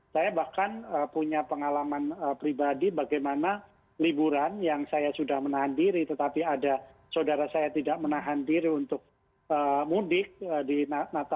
saya bahkan punya pengalaman pribadi bagaimana liburan yang saya sudah menahan diri tetapi ada saudara saya tidak menahan diri untuk mudik di natuna